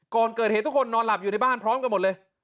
ก่อนเกิดเหตุทุกคนนอนหลับอยู่ในบ้านพร้อมกันหมดเลย